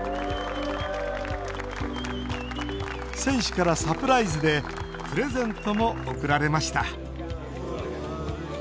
選手からサプライズでプレゼントも贈られました。